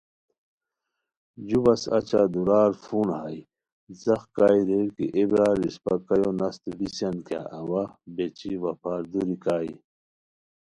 جُو بس اچہ دُورار فون ہائے زق کائے ریر کی "اے برار اسپہ کایو نستو بیسیان کیہ ،اوا ،بیچی وا پھار دُوری کائے